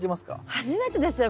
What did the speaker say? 初めてですよ